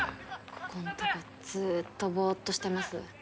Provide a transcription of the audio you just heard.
ここんとこずーっとボーッとしてます